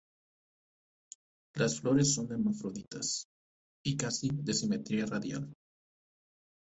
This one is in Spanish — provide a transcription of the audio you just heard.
Las flores son hermafroditas, y casi de simetría radial.